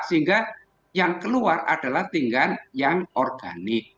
sehingga yang keluar adalah tinggal yang organik